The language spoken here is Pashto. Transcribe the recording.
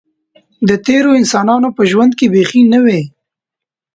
د تېرو انسانانو په ژوند کې بیخي نه وې.